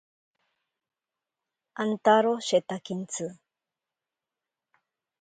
Antaro shetakintsi.